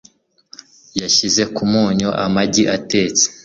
Yashyize ku munyu amagi yatetse.